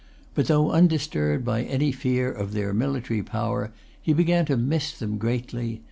But, though undisturbed by any fear of their military power, he began to miss them greatly.